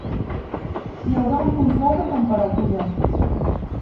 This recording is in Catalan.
Hi haurà un control de temperatura.